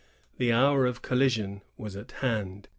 The hour of collision was at hand.